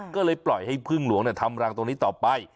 ก็เลยปล่อยให้พึ่งหลวงทำรังตรงนี้ต่อไป